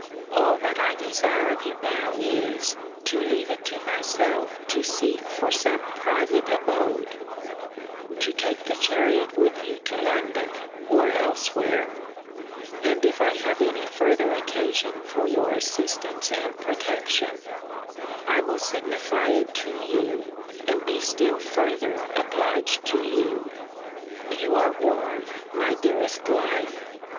All that I desire of you now is, to leave it to myself to seek for some private abode: to take the chariot with you to London, or elsewhere: and, if I have any further occasion for your assistance and protection, I will signify it to you, and be still further obliged to you. You are warm, my dearest life!